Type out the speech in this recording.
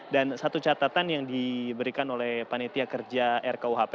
dan satu catatan yang diberikan oleh panetia kerja rkuhp